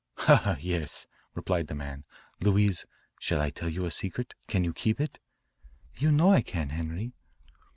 "Ha, ha, yes," replied the man. "Louise, shall I tell you a secret? Can you keep it?" "You know I can, Henri."